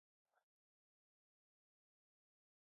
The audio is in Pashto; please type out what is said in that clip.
ازادي راډیو د ترانسپورټ د نړیوالو نهادونو دریځ شریک کړی.